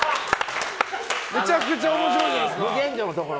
むちゃくちゃ面白いじゃないですか。